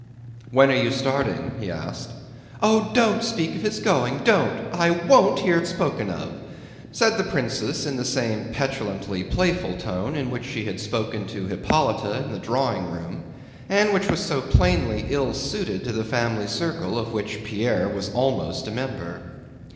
"When are you starting?" he asked. "Oh, don't speak of his going, don't! I won't hear it spoken of," said the princess in the same petulantly playful tone in which she had spoken to Hippolyte in the drawing room and which was so plainly ill suited to the family circle of which Pierre was almost a member.